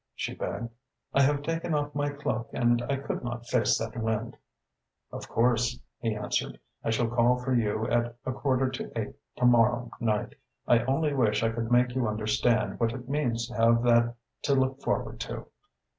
she begged. "I have taken off my cloak and I could not face that wind." "Of course," he answered. "I shall call for you at a quarter to eight to morrow night. I only wish I could make you understand what it means to have that to look forward to."